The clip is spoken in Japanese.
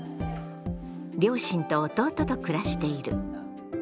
両親と弟と暮らしている。